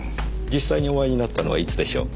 実際にお会いになったのはいつでしょう？